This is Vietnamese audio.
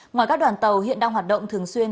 ngoài các đoàn tàu hiện đang hoạt động thường xuyên